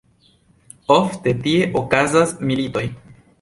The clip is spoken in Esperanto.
Ofte tie okazas militoj.